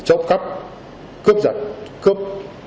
chốc cấp cướp giật cướp